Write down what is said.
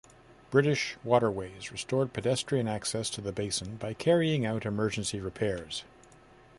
British Waterways restored pedestrian access to the basin by carrying out emergency repairs.